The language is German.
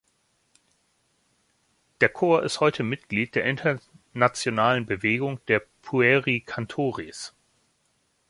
Der Chor ist heute Mitglied der internationalen Bewegung der Pueri Cantores.